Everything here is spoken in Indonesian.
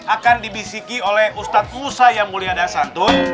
akan dibisiki oleh ustadz musa yang mulia dan satu